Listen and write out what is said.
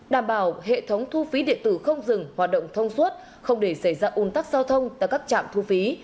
đảm bảo hệ thống thu phí điện tử không dừng hoạt động thông suốt không để xảy ra un tắc giao thông tại các trạm thu phí